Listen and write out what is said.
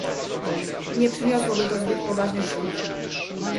Nie przyniosłoby to zbyt poważnych szkód